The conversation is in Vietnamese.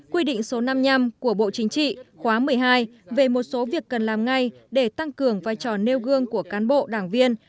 quy định số năm mươi năm của bộ chính trị khóa một mươi hai về một số việc cần làm ngay để tăng cường vai trò nêu gương của cán bộ đảng viên